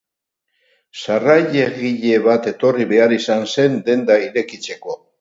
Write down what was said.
Sarrailagile bat etorri behar izan zen denda irekitzeko.